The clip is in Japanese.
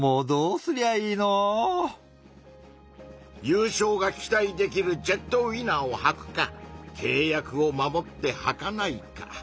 ゆうしょうが期待できるジェットウィナーをはくかけい約を守ってはかないか。